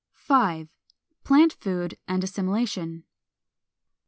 § 5. PLANT FOOD AND ASSIMILATION.